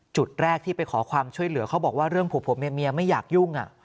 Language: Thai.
จุดแรกที่ไปขอความช่วยเหลือเขาบอกว่าเรื่องผัวเมียไม่อยากยุ่ง